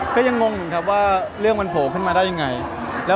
ก็ยังงงถึงครับว่าเรื่องขังมาได้ยังยังไง